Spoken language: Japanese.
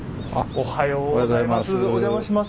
おはようございます。